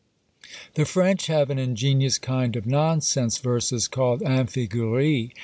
The French have an ingenious kind of Nonsense Verses called Amphigouries.